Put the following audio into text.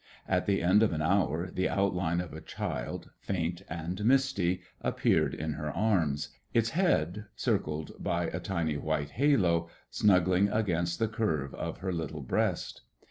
At the end of an hour the outline of a child, faint and misty, appeared in her arms, its head, circled by a tiny white halo, snuggling against the curve of her little breast.